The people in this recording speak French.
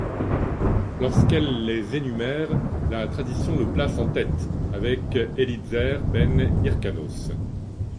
Lorsqu'elle les énumère, la tradition le place en tête avec Eliezer ben Hyrcanos.